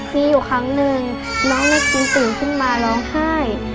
มีอยู่ครั้งหนึ่งน้องนาคินตื่นขึ้นมาร้องไห้